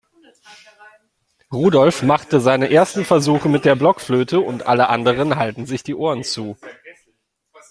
Rudolf macht seine ersten Versuche mit der Blockflöte und alle anderen halten sich die Ohren zu.